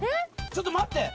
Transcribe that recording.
ちょっと待って。